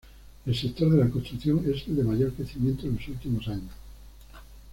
El sector de la construcción es el de mayor crecimiento en los últimos años.